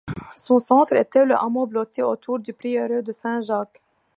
Son centre était le hameau blotti autour du prieuré de Saint-Jacques.